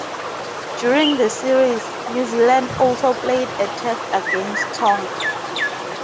During the series, New Zealand also played a Test against Tonga.